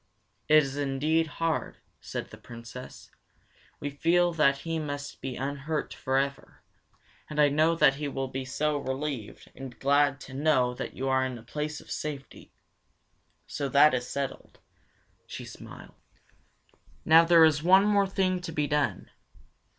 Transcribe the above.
"It is indeed hard," said the Princess. "We feel that he must be unhurt however, and I know that he will be so relieved, and glad to know that you are in a place of safety. So that is settled." She smiled. "Now there is one more thing to be done.